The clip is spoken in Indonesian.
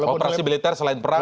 operasi militer selain perang